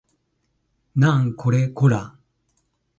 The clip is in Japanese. なんこれこら